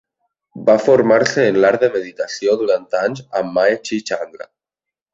Va formar-se en l'art de meditació durant anys amb Mae chi Chandra.